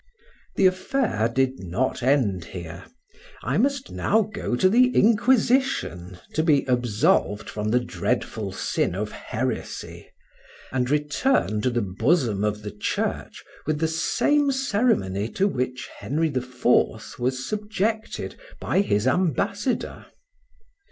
The affair did not end here, I must now go to the Inquisition to be absolved from the dreadful sin of heresy, and return to the bosom of the church with the same ceremony to which Henry the Fourth was subjected by his ambassador.